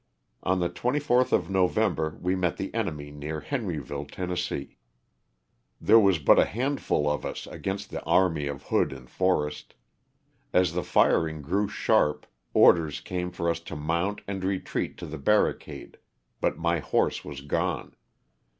On the 24th of November we met the enemy near Henryville, Tenn. There was but a handful of us against the army of Hood and Forrest. As the firing grew sharp orders came for us to mount and retreat to the barri cade, but my horse was gone.